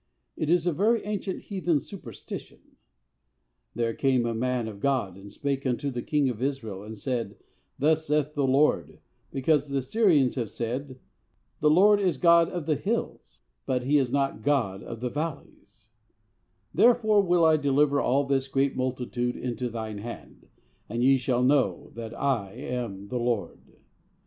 It is a very ancient heathen superstition. 'There came a man of God, and spake unto the king of Israel, and said, Thus saith the Lord, because the Syrians have said, "The Lord is God of the hills, but He is not God of the valleys," therefore will I deliver all this great multitude into thine hand, and ye shall know that I am the Lord.'